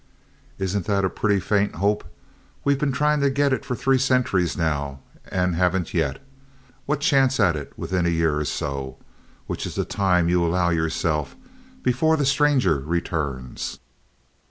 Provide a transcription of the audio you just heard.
"Isn't that a pretty faint hope? We've been trying to get it for three centuries now, and haven't yet. What chance at it within a year or so? which is the time you allow yourself before the Stranger returns."